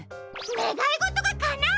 ねがいごとがかなう！？